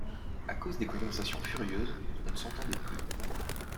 A cause des conversations furieuses, on ne s'entendait plus.